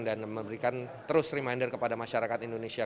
dan memberikan terus reminder kepada masyarakat indonesia